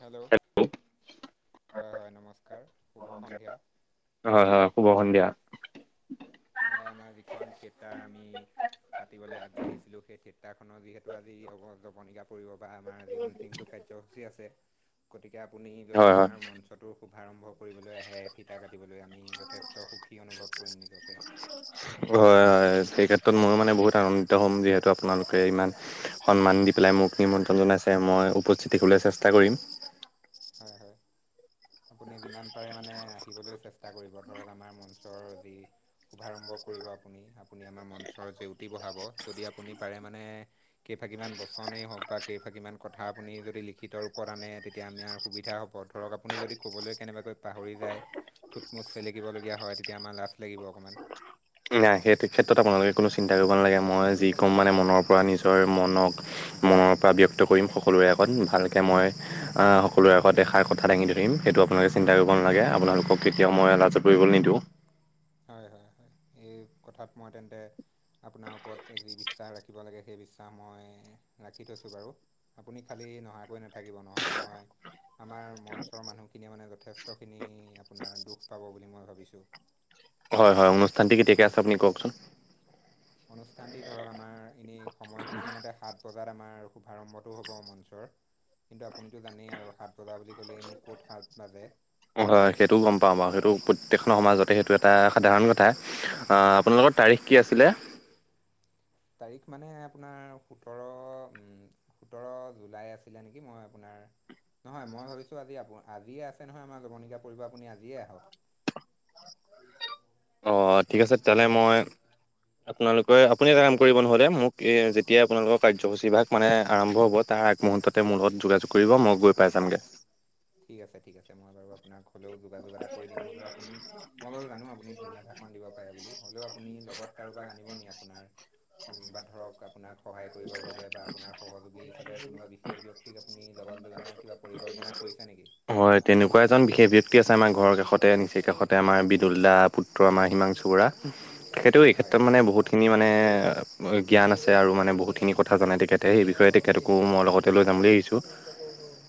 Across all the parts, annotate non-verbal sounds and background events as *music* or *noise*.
Hello হয় হয় হয় নমস্কাৰ, শুভ সন্ধিয়া। হয় হয় শুভ সন্ধিয়া। মানে আমাৰ যিখন থিয়েটাৰ আমি পাতিবলৈ আগবাঢ়িছিলোঁ, সেই থিয়েটাৰখনৰ যিহেতু আজি অ জৱনিকা পৰিব বা আমাৰ যি দিনটো কাৰ্যসূচী আছে *inaudible* গতিকে আপুনি যদি' হয় হয় আমাৰ মঞ্চটো শুভাৰম্ভ কৰিবলৈ আহে ফিটা কাটিবলৈ আমি যথেষ্ট সুখী অনুভৱ কৰিম নিজকে। হয়, হয় সেই ক্ষেত্ৰত ময়ো মানে বহুত আনন্দিত হ'ম যিহেতু আপোনালোকে ইমান সন্মান দি পেলাই মোক নিমন্ত্ৰণ জনাইছে মই উপস্থিত থাকিবলৈ চেষ্টা কৰিম। হয়, হয়। আপুনি যিমান পাৰে মানে আহিবলৈ চেষ্টা কৰিব ধৰক আমাৰ মঞ্চৰ যি শুভাৰম্ভ কৰিব আপুনি আপুনি আমাৰ মঞ্চৰ জেউতি বঢ়াব যদি আপুনি পাৰে মানে কেইফাঁকিমান বচনেই হওক বা কেইফাঁকিমান কথা আপুনি যদি লিখিত ৰূপত আনে, তেতিয়া আমি আৰু সুবিধা হ'ব ধৰক আপুনি যদি ক'বলৈ কেনেবাকৈ পাহৰি যায় টুটমোচ চেলেকিবলগীয়া হয় তেতিয়া আমাৰ লাাজ লাগিব অকমান। নাই সেই ক্ষেত্ৰত আপোনালোকে কোনো চিন্তা কৰিব নালাগে, মই যি ক'ম মানে মনৰ পৰা নিজৰ মনক মনৰ পৰা ব্যক্ত কৰিম সকলোৰে আগত ভালকে মই। সকলোৰে আগতে দেখাৰ কথা দাঙি ধৰিম সেইটো আপোনালোকে চিন্তা কৰিব নালাগে, আপোনালোকক কেতিয়াও মই লাজত পৰিবলৈ নিদিওঁ। হয়, হয়, হয় এই কথাত মই তেন্তে আপোনাৰ ওপৰত যি বিশ্বাস ৰাখিব লাগে সেই বিশ্বাস মই ৰাখি থৈছো বাৰু। আপুনি কালি নহাকৈ নাথাকিব নহ'লে মই আমাৰ মঞ্চৰ মানুহখিনিয়ে মানে যথেষ্টখিনি আপোনাৰ দুখ পাব বুলি মই ভাবিছো। হয়, হয় অনুষ্ঠানটি কেতিয়াকৈ আছে আপুনি কওঁকচোন। অনুষ্ঠানটি ধৰক আমাৰ এনেই সময়সূচী মতে সাত বজাত আমাৰ শুভাৰম্ভটো হ'ব মঞ্চৰ। কিন্তু আপুনিতো জানেই আৰু সাত বজা বুলি ক'লেইনো ক'ত সাত বাজে। হয় সেইটোও গম পাওঁ বাৰু। সেইটো প্ৰত্যেকখন সমাজতে সেইটো এটা সাধাৰণ কথা। আ আপোনালোকৰ তাৰিখ কি আছিলে? তাৰিখ মানে আপোনাৰ সোতৰ উম সোতৰ জুলাই আছিলে নেকি? মই আপোনাৰ নহয় মই ভাবিছোঁ আজি আ আজিয়ে আছে নহয় আমাৰ যৱনিকা পৰিব আপুনি আজিয়ে আহক। অ ঠিক আছে তেনে মই আপোনালোকে আপুনি এটা কাম কৰিব নহ'লে মোক এ যেতিয়াই আপোনালোকৰ কাৰ্যসূচী ভাগ মানে আৰম্ভ হ'ব তাৰ আগ মুহূৰ্ততে মোৰ লগত যোগাযোগ কৰিব মই গৈ পাই যামগে। ঠিক আছে, ঠিক আছে মই বাৰু আপোনাক হ'লেও যোগাযোগ এটা কৰি দিম। হ'লেও আপুনি মই বাৰু জানো আপুনি ধুনীয়া ৰাস অকণ দিব পাৰে বুলি হ'লেও আপুনি লগত কাৰোবাক আনিব নি আপোনাৰ সম্পা ধৰক আপোনাক সহায় কৰিবৰ বাবে বা আপোনাৰ সহযোগী হিচাপে কোনোবা সেই ব্যক্তিক আপুনি লগত লৈ অনাৰ কিবা পৰিকল্পনা কৰিছে নেকি? হয় তেনেকুৱা এজন বিশেষ ব্যক্তি আছে আমাৰ ঘৰৰ কাষতে নিচেই কাষতে আমাৰ বিদুল দা পুত্ৰ আমাৰ হিমাংশু বৰা। তেখেতেও এই হয়। ক্ষেত্ৰত মানে বহুত খিনি মানে জ্ঞান আছে আৰু মানে বহুতখিনি কথা জানে তেখেতে সেই বিষয়ে, তে আকৌ মই লগতে লৈ যাম বুলি আহিছোঁ।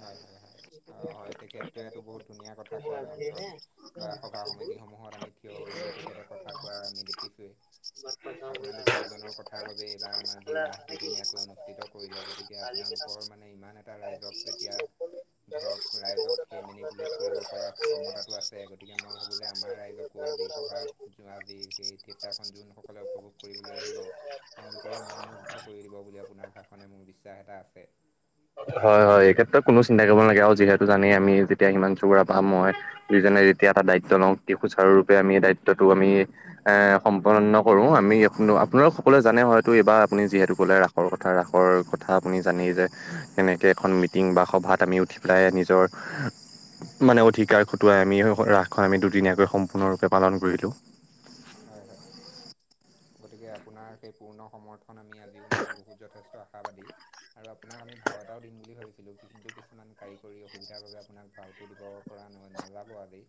হয়, হয়, হয়। হয় তেখেতটোৱেটো বহুত ধুনীয়া কথা কয় মঞ্চত বা সভা সমিতিসমূহত আমি থিয় হৈ হৈ তেখেতে কথা কোৱা আমি দেখিছোঁৱেই। আপোনালোক দুয়োজনৰ কথাৰ বাবে এইবাৰ আমাৰ যি ৰাস দুদিনীয়াকৈ অনুষ্ঠিত কৰিলে গতিকে আপোনালোকৰ মান নে ইমান এটা ৰাইজক যেতিয়া ধৰক ৰাইজক সেই মেনিপুলেট কৰিব পৰা ক্ষমতাটো আছে গতিকে মই ভাবোঁ যে আমাৰ ৰাইজক আকৌ আজি সভাত যোৱা আজি সেই থিয়েটাৰখন যোনসকলে উপভোগ কৰিবলৈ আহিব। তেওঁলোকৰো মনমুগ্ধ কৰি দিব বুলি আপোনাৰ ভাষণে মোৰ বিশ্বাস এটা আছে। হয়, হয় এই ক্ষেত্ৰত কোনো চিন্তা কৰিব নালাগে আৰু যিহেতু জানেই আমি যেতিয়া ইমান *unintelligible* মই দুইজনে যেতিয়া এটা দায়িত্ব লওঁ সুচাৰুৰূপে আমি দায়িত্বটো আমি এ সম্পন্ন কৰো। আমি আপোনালোক সকলোৱে জানে হয়তো এইবাৰ আপুনি যিহেতু ক'লে ৰাস ৰ কথা ৰাসৰ কথা আপুনি জানেই যে কেনেকে এখন মিটিং বা সভাত আমি উঠি পেলাই নিজৰ মানে অধিকাৰ খটুৱাই আমি ৰাসখন আমি দুদিনীয়াকৈ সম্পূৰ্ণৰূপে পালন কৰি দিও। হয়, হয়। গতিকে আপোনাৰ সেই পূৰ্ণ সমৰ্থন আমি আজিও মানে বহুত যথেষ্ট আশাবাদী। আৰু আপোনাক আমি ভাও এটাও দিম বুলি ভাবিছিলোঁ কিন্তু কিছুমান কাৰিকৰী অসুবিধাৰ বাবে আপোনাক ভাওটো দিব পৰা নহ নহয় নাযাব আজি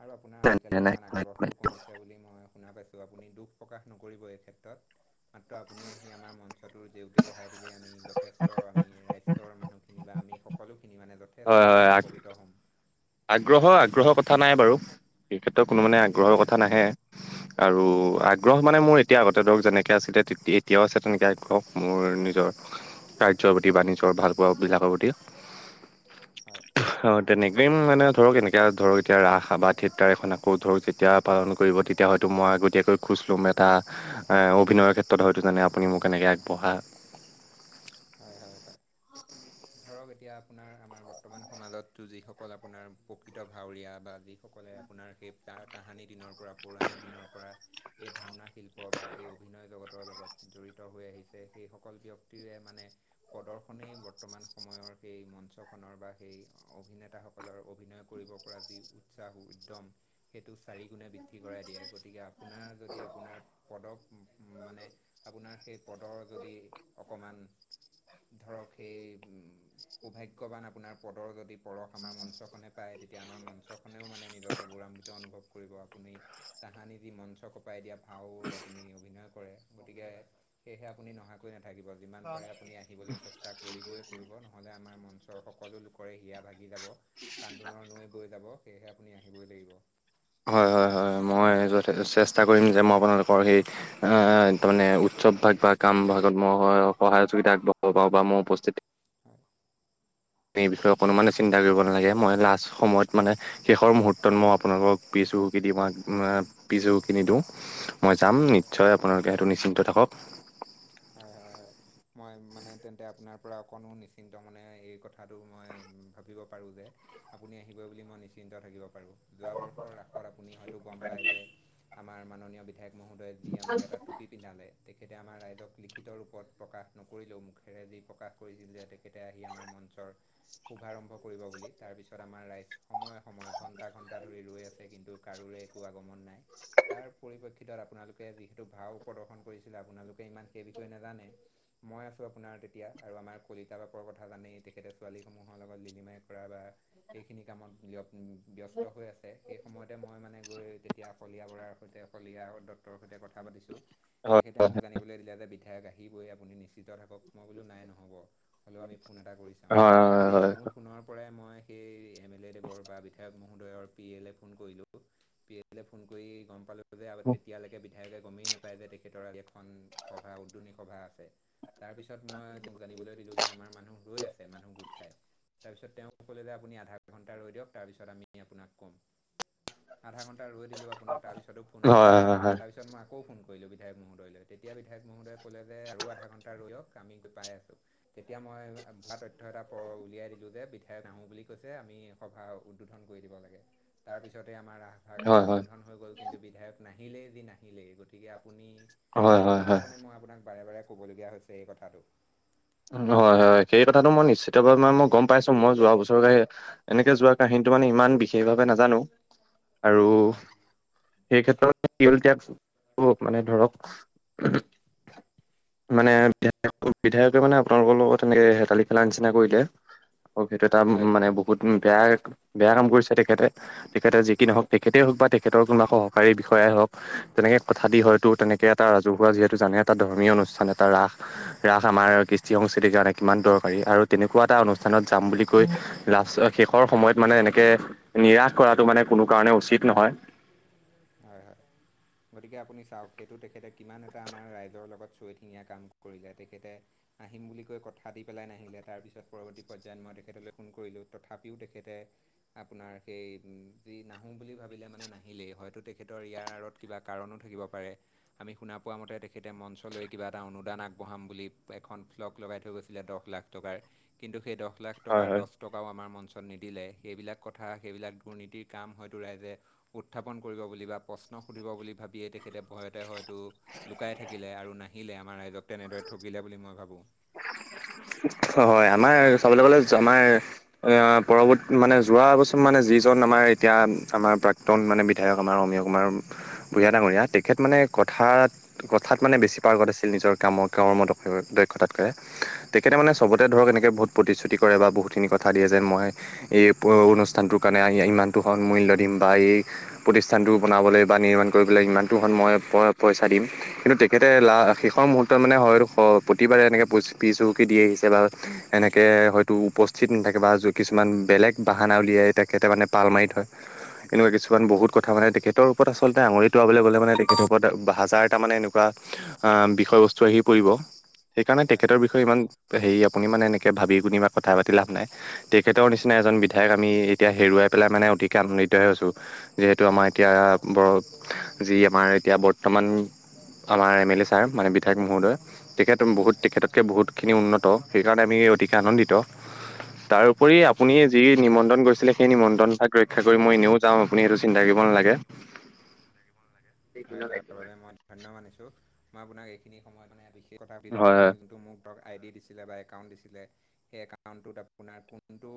আৰু আপোনাৰ আজিকালি অকণমান আগ্ৰহটোও কমিছে বুলি মই শুনা পাইছোঁ আপুনি দুখ প্ৰকাশ নকৰিব এই ক্ষেত্ৰত মাত্ৰ আপুনি আহি আমাৰ মঞ্চ সেটোৰ জেউতি বঢ়াই দিলেই আমি যথেষ্ট আমি ৰাইজঘৰৰ মানুহখিনি বা আমি সকলোখিনি মানে য- হয় থেষ্ট হয় উপকৃত হ'ম। আগ্ৰহ আগ্ৰহৰ কথা নাই বাৰু এই ক্ষেত্ৰত কোনো মানে আগ্ৰহৰ হয় কথা নাহে। আৰু আগ্ৰহ মানে মোৰ এতিয়া আগতে ধৰক যেনেকৈ আছিলে এতিয়াও আছে তেনেকৈ আগ্ৰহ মোৰ নিজৰ। কাৰ্যৰ প্ৰতি বাণিজ্যৰ ভাল পোৱা বিলাকৰ প্ৰতি হয় আও তেনেক- প্ৰেম মানে ধৰক এনেকে ধৰক এতিয়া ৰাস বা থিয়েটাৰ এখন আকৌ ধৰক যেতিয়া পালন কৰিব তেতিয়া হয়তো মই আগতীয়াকৈ খোজ লোম এটা অভিনয়ৰ ক্ষেত্ৰত হয়তো জাননে আপুনি মোক কেনেকৈ আগবঢ়া। হয় হয় হয়। *inaudible* ধৰক এতিয়া আপোনাৰ আমাৰ বৰ্তমান সমাজ তো যিসকল আপোনাৰ প্ৰকৃত ভাৱৰীয়া বা যি সকলে আপোনাৰ সেই তাহানি দিনৰ পৰা পৌৰাণিক দিনৰ পৰা। এই ভাওনা শিল্প বা এই অভিনয় জগতৰ লগত জড়িত হৈ আহিছে সেইসকল ব্যক্তিৰে মানে প্ৰদৰ্শনেই বৰ্তমান সময়ৰ সেই মঞ্চখনৰ বা সেই অভিনেতাসকলৰ অভিনয় কৰিব পৰা যি উৎসাহ উদ্যম সেইটো চাৰিগুণে বৃদ্ধি কৰাই দিয়ে। গতিকে আপোনাৰ যদি আপোনাৰ পদক মানে আপোনাৰ সেই পদৰ যদি অকণমান ধৰক সেই সৌভাগ্যৱান আপোনাৰ পদৰ যদি পৰশ আমাৰ মঞ্চখনে পায় তেতিয়া আমাৰ মঞ্চখনেও মানে নিজকে গৌৰাৱান্বিত অনুভৱ। কৰিব আপুনি তাহানি যি মঞ্চ কপাই দিয়া ভাও আপুনি অভিনয় কৰে। গতিকে সেয়েহে আপুনি নহাকৈ নাথাকিব, যিমান পাৰে আপুনি আহিবলৈ চেষ্টা কৰিবয়ে কৰিব। নহ নহ'লে আমাৰ মঞ্চৰ সকলো লোকৰে হিয়া ভাগি যাব। কান্দোনৰ নৈ বৈ যাব সেয়েহে আপুনি আহিবই লাগিব। হয় হয় হয় মই যথে চেষ্টা কৰিম যে মই আপোনালোকৰ সেই আহ তামানে উৎসৱ ভাগ বা কাম ভাগত মই সহায় সহযোগিতা আগবঢ়াব পাওঁ বা মোৰ উপস্থিত হয়। এই বিষয়ত অকণমানো চিন্তা কৰিব নালাগে মই লাষ্ট সময়ত মানে শেষৰ মুহূৰ্তত মই আপোনালোকক পিছ শুশোকি দি মানে পিছ শুশোকি নিদো। মই যাম হয় নিশ্চয় আপোনালোকে সেইটো নিশ্চিন্ত থাকক। হয় হয় হয়। মই মানে তেন্তে আপোনাৰ পৰা অকণো নিশ্চিন্ত মানে এই কথাটো মই ভাবিব পাৰোঁ যে আপুনি আহিব বুলি মই নিশ্চিন্ত থাকিব পাৰোঁ। যোৱাবৰ্ষৰ ৰাাষত আপুনি হয়তো গম পায় যে আমাৰ মাননীয় বিধায়ক মহোদয় যি আমাক এটা টুপি পিন্ধালে তেখেতে আমাৰ ৰাইজক লিখিত ৰূপত প্ৰকাশ নকৰিলেও মুখেৰেজি প্ৰকাশ কৰিছিল যে তেখেতে আহি আমাৰ মঞ্চৰ শুভাৰম্ভ কৰিব বুলি তাৰপিছত আমাৰ ৰাইচ সময়ে সময় ঘণ্টা ঘণ্টা ধৰি ৰৈ আছে কিন্তু কাৰোৰে একো আগমন নাই তাৰ পৰিপক্ষি- ভিতৰত আপোনালোকে যিহেতু ভাও প্ৰদৰ্শন কৰিছিলে আপোনালোকে ইমান সেই বিষয়ে নাজানে। মই আছোঁ আপোনাৰ তেতিয়া আৰু আমাৰ কলিতাবাপৰ কথা জানেই তেখেতে ছোৱালীসমূহৰ লগত লিলিমাই কৰা বা সেইখিনি কামত ব্য- ব্যস্ত হৈ আছে সেই সময়তে মই মানে গৈ তেতিয়া শলিয়া বৰাৰ সৈতে শলিয়া ৰদত তৰ সৈতে কথা পাতি ছো তেখেতে মোক জানিব দিলে যে বিধায়ক আহিবৈ আপুনি নিশ্চিত থাকক মই বোলো নাই নহ'ব হ'লেও আমি ফোন এটা কৰি চাওঁ। হয় তেতিয়া মোৰ ফোনৰ পৰাই মই সেই এম এল এ দেৱৰ বা বিধায়ক মহোদয়ৰ পি এলে ফোন কৰিলো পি এলে ফোন কৰি গম পালো যে তেতিয়ালৈকে বি- বিধাকে গমেই নাপায় যে তেখেতৰ আ এখন সভা উদ্যনী সভা আছে। তাৰপিছত মই তেওঁক জানিবলৈ দিলো যে আমাৰ মানুহ ৰৈ আছে মানুহ গোট খাই। তাৰপিছত তেওঁ কলে আপুনি আধা ঘণ্টা ৰৈ দিয়ক তাৰপিছত আমি আপোনাক ক'ম। আধা ঘণ্টা ৰৈ দিলো আপোনাৰ তাৰপিছতো ফোন নাই হয় হয় হয় হয় তাৰপিছত মই আকৌ ফোন কৰিলোঁ বিধায়ক মহোদয়লৈ। এতিয়া বিধায়ক মহোদয়ে ক'লে যে আৰু আধা ঘণ্টা ৰৈ দিয়ক আমি পাই আছোঁ। তেতিয়া মই ভোৱা তথ্য এটা উলিয়াই দিলো যে বিধায়ক নাহো বুলি কৈছে আমি। সভা উদ্বোধন কৰি দিব লাগে তাৰপিছতে আমাৰ ৰাস। ভাগ হয় হয় উদ্বোধন হৈ গ'ল কিন্তু বিধায়ক নাহিলেই যি নাহিলেই গতিকে আপুনি। হয় হয় হয় সেইটো কাৰণে মানে মই আপোনাক বাৰে বাৰে ক'বলগীয়া হৈছে এই কথাটো। হয়, হয়, সেই কথাটো মই নিশ্চিতভাৱে মানে মই গম পাইছো মই যোৱা বছৰ। এনেকে যোৱা কাহিনীটো মানে ইমান বিশেষভাৱে নাজানো আৰু। হয় সেই ক্ষেত্ৰত *unintelligible* শিয়ল ত্যাগ মানে ধৰক। মানে বিধায়ক বিধায়কে মানে আপোনালোকৰ লগত এনেকে হেতালি খেলা নিচিনা কৰিলে। আৰু সেইটো এটা হয় মানে বহুত বেয়া বেয়া কাম কৰিছে তেখেতে। তেখেতে যি কি নহওক তেখেতেই হওক বা তেখেতৰ কোনবা সহকাৰী বিষয়াই হওক। তেনেকে কথা দি হয়তো তেনেকে এটা ৰাজহুৱা যিহেতু জানে এটা ধৰ্মীয় অনুষ্ঠান এটা ৰাস। ৰাস আমাৰ কৃষ্টি সংস্কৃতিৰ কাৰণে কিমান দৰকাৰী আৰু তেনেকুৱা এটা অনুষ্ঠানত যাম বুলি কৈ। লাষ্ট শেষৰ সময়ত মানে এনেকে নিৰাশ কৰাটো মানে কোনো কাৰণে উচিত নহয়। হয়, হয়। গতিকে আপুনি চাওক সেইটো তেখেতে কিমান এটা আমাৰ ৰাইজৰ লগত চৈ ঠেঙীয়া কাম কৰিলে তেখেতে। আহিম বুলি কৈ কথা দি পেলাই নাহিলে তাৰপিছত পৰৱৰ্তী পৰ্যায়ত মই তেখেতলৈ ফোন কৰিলোঁ তথাপিও তেখেতে। আপোনাৰ সেই যি নাহোম বুলি ভাব। বিলে মানে নাহিলেই হয়তো তেখেতৰ ইয়াৰ আঁৰত কিবা কাৰণো থাকিব পাৰে। আমি শুনা পোৱা মতে তেখেতে মঞ্চলৈ কিবা এটা অনুদান আগবঢ়াম বুলি এখন ভ্লগ লগাই থৈ গৈছিলে দহ লাখ। টকা কিন্তু দহ লাখ টকা হয় দছ। টকাও আমাৰ মঞ্চত নিদিলে সেইবিলাক কথা সেইবিলাক দুৰ্নীতিৰ কাম হয়তো ৰাইজে। উত্থাপন কৰিব বুলি বা প্ৰশ্ন সুধিব বুলি ভাবিয়েই তেখেতে ভয়তে হয়তো। লুকাই থাকিলে আৰু নাহিলে আমাৰ ৰাইজক তেনেদৰে ঠগিলে বুলি মই ভাবোঁ। হয় আমাৰ চাবলৈ গ'লে জমাৰ। পৰৱৰ্ত মানে যোৱাবছৰ মানে যিজন আমাৰ এতিয়া আমাৰ প্ৰাক ক্তন‌ মানে বিধায়ক আমাৰ অমীয়া কুমাৰ বুঢ়ীয়া ডাঙৰীয়া তেখেত মানে। কথাত কথাত মানে বেছি পাৰ্গত আছিল নিজৰ কামৰ কমৰ দ দক্ষতাতকে। তেখেতে মানে চবতে হয় ধৰক এনেকে বহুত প্ৰতিশ্ৰুতি কৰে বা বহুতখিনি কথা দিয়ে যে মই। এই অনুষ্ঠানটোৰ কাৰণে ইমানতো সন মূল্য দিম বা এই। প্ৰতিষ্ঠানটো বনাবলৈ বা নিৰ্মাণ কৰিবলৈ ইমানটো সনময় পইচা দিম কিন্তু তে খেতে লা হয় শেষৰ মুহূৰ্ত্ত মানে হয় প্ৰতিবাৰে এনেকে প পিজ হুহুকি দি আহিছে বা। এনেকে হয়তো উপস্থিত নাথাকে বা কিছুমান বেলেগ বাহানা উলিয়াই তাকে তাৰমানে পাল মাৰি থয়। এনেকুৱা কিছুমান হয় বহুত কথা মানে তেখেতৰ। আচলতে আঙুলি টুৱাবল গ'লে মানে তেখেতৰ ওপৰত হাজাৰটা মানে এনেকুৱা বিষয় বস্তু। টো আহি পৰিব সেইকাৰণে হয় তেখেতৰ হয় বিষয়ে ইমান হেৰি আপুনি মানে এনেকে ভাবি গুণি ইমান কথা পাতি লাভ নাই তেখেতৰ নিচিনা হয় হয় এজন বিধা ধায়ক‌ আমি এতিয়া হেৰুৱাই পেলাই মানে অতিকে আনন্দিত হৈছোঁ। যিহেতু আমাৰ এতিয়া বৰ যি আমাৰ এতিয়া বৰ্তমান আমাৰ এম লে এ ছাৰে মানে বিধায়ক মহোদয় তেখেত বহুত হয় তেখেত কে বহুতখিনি উন্নত সেইকাৰণে আমি অতিকে আনন্দিত। তাৰ উপৰি আপুনি যি নিমন্ত্ৰন কৰিছিলে সেই নিমন্ত্ৰন ভাক ৰক্ষা কৰি মই এনেও যাম আপুনি এইটো চিন্তা কৰিব নালাগে। হয় তাৰ বাবে মই ধন্য মানিছো মই আপোনাক এইখিনি সময়ত মানে বিশেষ কথা লওঁ হয় আপুনি হয় যোনটো মোক ভোট আই ডি দিছিলে বা একাউণ্ট দিছিলে। হে একাউন্টটোত আপোনাৰ কোনটো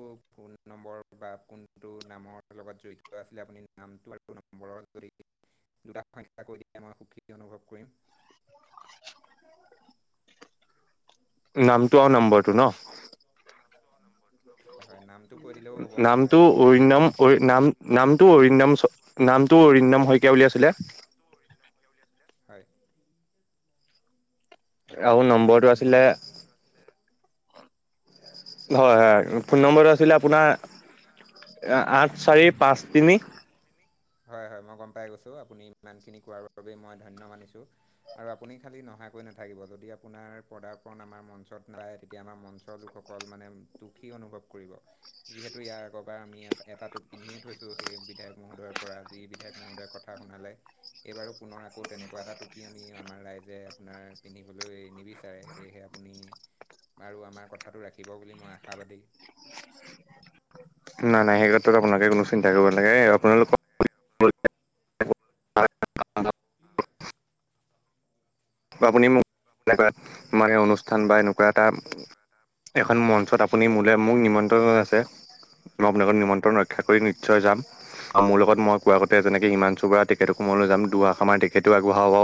নম্বৰ বা কোনটো নামৰ লগত জড়িত আছিলে আপুনি নামটো আৰু নম্বৰ যদি দুটা সংখ্যা কৈ দিয়ে মই সুখী অনুভৱ কৰিম। নামটো আৰু নম্বৰটো ন। হয় হয় নামটো কৈ দিলেও হ'ব মই নামটো সেইটোতে অৰিন্দম যথেষ্ট সুখী। নাম নামটো অৰিন্দম চ নামটো অৰিন্দম শইকীয়া বুলি আছিলে। হয়। আৰু আপোনাৰ নম্বৰটো ফোন আছিলে। নম্বৰ হয়-হয় ফোন নম্বৰটো আছিলে আপোনাৰ আঠ চাৰি পাঁচ তিনি হয়-হয় মই গম পাই গৈছোঁ আপুনি ইমানখিনি কোৱাৰ বাবেই মই ধন্য মানিছোঁ। আৰু আপুনি খালি নহা কৈ নাথাকিব যদি আপোনাৰ পদাৰ্পন আমাৰ মঞ্চত নাই তেতিয়া আমাৰ মঞ্চৰ লোকসক সকল মানে দুখী অনুভৱ কৰিব যিহেতু ইয়াৰ আগৰবাৰ আমি এটাটো পিন্ধিয়ে থৈছোঁ সেই বিধায়ক মহোদয়ৰ পৰা যি বিধায়ক মহোদয়ৰ কথা শুনালে। এইবাৰু পুনৰ আকৌ তেনেকুৱা এটা টুপী আমি আমাৰ ৰাইজে আপোনাৰ পিন্ধিবলৈ নিবিচাৰে। সেয়েহে আপুনি বাৰু আমাৰ কথাটো ৰাখিব বুলি মই আশাবাদী। নাই-নাই সেই কথাটো আপোনালে কোনো চিন্তা কৰিব লাগে আপোনালোকক অ। আপুনি মোক এনেকুৱা মানে অনুষ্ঠান বা এনেকুৱা এটা এখন মঞ্চত আপুনি মোলৈ মোক নিমন্ত্ৰণ আছে মই আপোনালোকৰ নিম নিমন্ত্ৰণ ৰক্ষা হয়। কৰি নিশ্চয় যাম আৰু মোৰ লগত মই হয় কোৱামতে যেনেকৈ হিমানচু বৰা তেখেতটো মই লৈ যাম দুৱা আখা মান তেখেটো আগবঢ়াব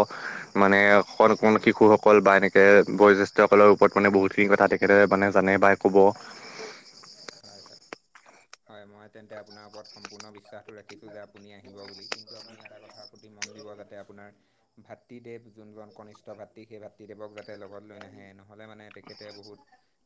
মানে অকণ অণমান শিশুসকল বা এনেকৈ বয়োজ্যেষ্ঠসকলৰ ওপৰত মানে বহুতখিনি কথা তেখেতে মানে জানে বা ক'ব৷ হয়-হয়-হয় মই তেন্তে আপোনাৰ ওপৰত সম্পূৰ্ণ বিশ্বাসটো ৰাখিছোঁ যে আপুনি আহি আহিব বুলি কিন্তু আপুনি এটা কথা সুতি মন দিব যাতে আপোনাৰ ভাতৃদেৱ যোনজন কনিষ্ঠ ভাতৃ সেই ভাতৃদেৱক যাতে লগত লৈ নাহে নহ'লে মানে তেখেতে বহুত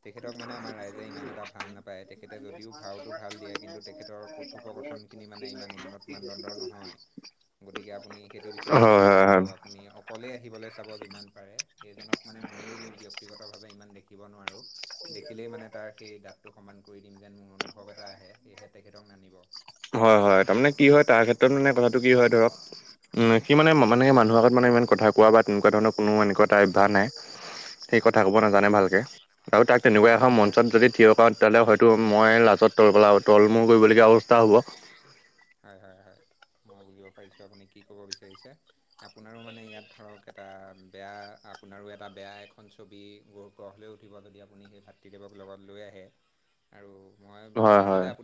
তেখেতক মানে আমাৰ ৰাইজে ইমান এটা ভাল নাপায়৷ পায় তেখেতে যদিও ভাউটো ভাল দিয়ে কিন্তু তেখেতৰ কথোপকথনখিনি মানে ইমান উন্নত মানদণ্ডৰ নহয়। *inaudible* গতিকে আপুনি সেইটো বিষয়েও হয় অকণমান চাব। হয়। আপুনি অকলেই আহিবলৈ চাব যিমান পাৰে সেইজনক মানে ময়ো ব্যক্তিগতভাৱে ইমান দেখিব নোৱাৰোঁ। দেখিলেই মানে তাৰ সেই দাঁতটো সমান কৰি দিম যেন মোৰ অনুভৱ এটা আহে সেয়েহে তেখেতক নানিব। হয়-হয় তামানে কি হয় তাৰ ক্ষেত্ৰত মানে কথাটো কি হয় ধৰক উম সি মানে মানে মানুহৰ আগত মানে ইমান কথা কোৱা বা তেনেকুৱা ধৰণৰ কোনো এনেকুৱা এটা অভ্যাস নাই৷ সি কথা হয় ক'ব নাজানে ভালকে। আৰু তাক তেনেকুৱা এখন মঞ্চত যদি থিয় কৰাওঁ তেতিয়াহ'লে হয়তো মই লাজত তলপেলা তল মূল কৰিবলগীয়া অৱস্থা হ'ব। হয়-হয়-হয় মই বুজিব পাৰিছোঁ আপুনি কি ক'ব বিচাৰিছে৷ আপোনাৰো মানে ইয়াত ধৰক এটা বেয়া আপোনাৰো এটা বেয়া এখন ছবি গঢ় গঢ় লৈ উঠিব যদি আপুনি সেই ভাতৃদেৱক লগত লৈ আহে। *inaudible* আৰু মই হয় ভাবিছোঁ হয়। যে আপুন